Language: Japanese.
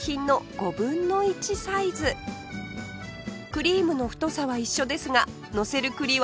クリームの太さは一緒ですがのせる栗はわずか５ミリ